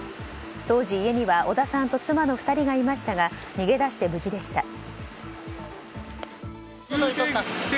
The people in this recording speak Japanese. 当時、家には小田さんと妻の２人がいましたが逃げ出して無事でした。